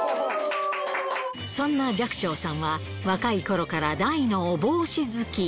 そんな寂聴さんは、若いころから大のお帽子好き。